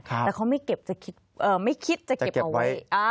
แล้วเขาไม่คิดจะเขื่อไว้